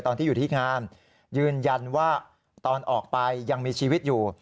ตอนที่อยู่ที่งานยืนยันว่าตอนออกไปยังมีชีวิตอยู่